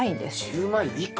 １０枚以下。